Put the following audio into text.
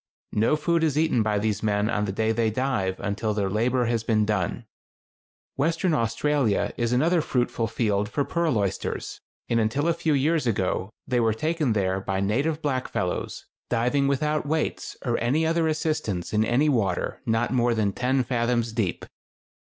No food is eaten by these men on the day they dive until their labor has been done. Western Australia is another fruitful field for pearl oysters, and until a few years ago they were taken there by native blackfellows, diving without weights or any other assistance in any water not more than ten fathoms deep.